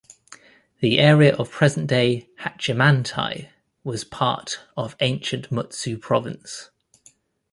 The area of present-day Hachimantai was part of ancient Mutsu Province.